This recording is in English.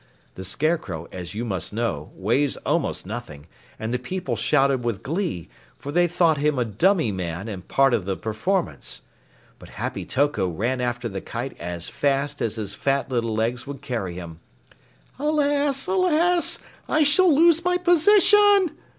The Scarecrow, as you must know, weighs almost nothing, and the people shouted with glee, for they thought him a dummy man and part of the performance. But Happy Toko ran after the kite as fast as his fat little legs would carry him. "Alas, alas, I shall lose my position!"